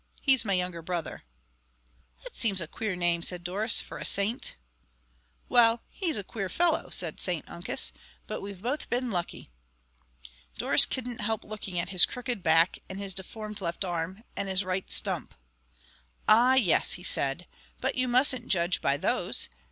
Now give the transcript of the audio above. "He's my younger brother." "That seems a queer name," said Doris, "for a saint." "Well, he's a queer fellow," said St Uncus, "but we've both been lucky." Doris couldn't help looking at his crooked back, and his deformed left arm, and his right stump. "Ah, yes," he said; "but you mustn't judge by those.